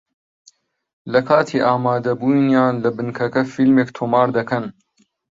لە کاتی ئامادەبوونیان لە بنکەکە فیلمێک تۆمار دەکەن